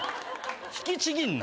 引きちぎんな。